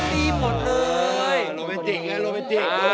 ทุกคนดีหมดเลย